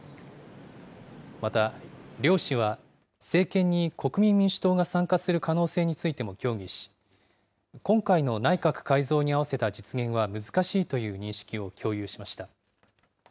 また、両氏は政権に国民民主党が参加する可能性についても協議し、今回の内閣改造に合わせた実現は難しいという認識を共有しました。